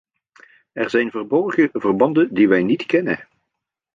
Er zijn verborgen verbanden die wij niet kennen.